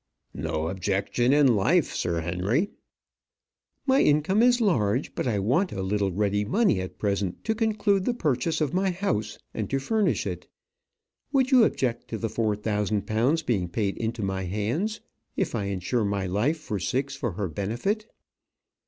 "No objection in life, Sir Henry." "My income is large; but I want a little ready money at present to conclude the purchase of my house, and to furnish it. Would you object to the four thousand pounds being paid into my hands, if I insure my life for six for her benefit?